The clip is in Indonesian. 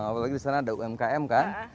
apalagi di sana ada umkm kan